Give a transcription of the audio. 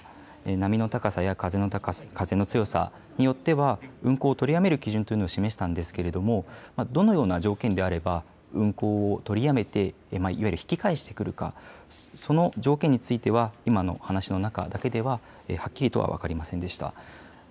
波の高さや風の強さによっては運航を取りやめる基準というのを示したんですけれどもどのような条件であれば運航を取りやめていわゆる引き返してくるか、その条件については今の話の中だけでははっきりとは分かりませんでした。